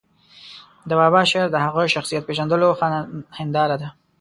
د بابا شعر د هغه شخصیت پېژندلو ښه هنداره ده.